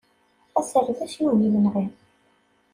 Aserdas yugi imenɣi!